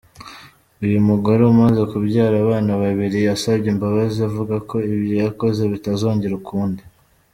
Uyu mugore umaze kubyara abana babiri, yasabye imbabazi avuga ko ibyo yakoze bitazongera ukundi.